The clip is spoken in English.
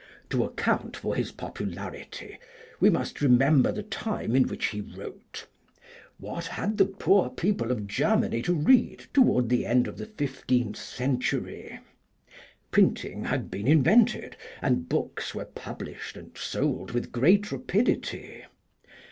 To account for his popularity we must remember the time in which he wrote. What had the poor people of Germany to read toward the end of the fifteenth century? Printing had been invented, and books were published and sold with great rapidity.